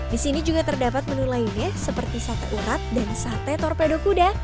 di sini juga terdapat menu lainnya seperti sate urat dan sate torpedo kuda